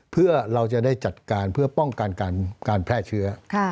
เพื่อเราจะได้จัดการเพื่อป้องกันการแพร่เชื้อ